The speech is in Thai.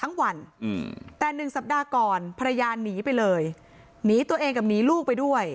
วันแต่หนึ่งสัปดาห์ก่อนภรรยาหนีไปเลยหนีตัวเองกับหนีลูกไปด้วย